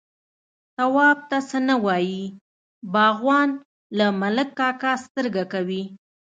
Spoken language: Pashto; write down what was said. _تواب ته څه نه وايي، باغوان، له ملک کاکا سترګه کوي.